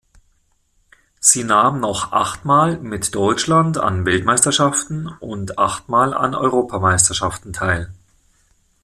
Sie nahm noch achtmal mit Deutschland an Weltmeisterschaften und achtmal an Europameisterschaften teil.